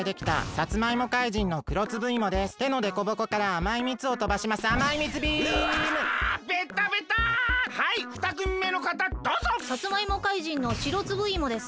さつまいも怪人のしろつぶいもです。